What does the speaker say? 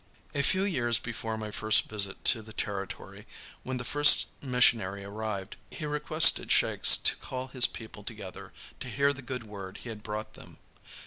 A few years before my first visit to the Territory, when the first missionary arrived, he requested Shakes to call his people together to hear the good word he had brought them.